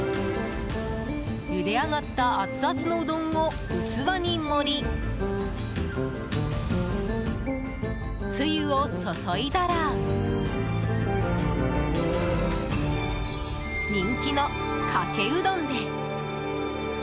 ゆで上がったアツアツのうどんを器に盛りつゆを注いだら人気のかけうどんです。